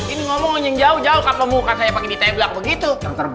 ini ngomongnya jauh jauh kata muka saya pake di tablak begitu